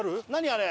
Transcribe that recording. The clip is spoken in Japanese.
あれ。